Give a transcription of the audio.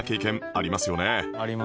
ありますよ。